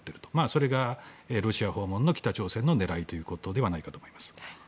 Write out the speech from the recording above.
それがロシア訪問の北朝鮮の狙いということではないかと思います。